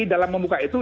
dalam membuka itu